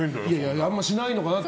あんましないのかなって。